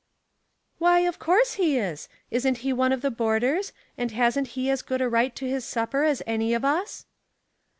''" Why, of course he is. Isn't he one of the boarders, and hasn't he as good a right to his supper as any of us?"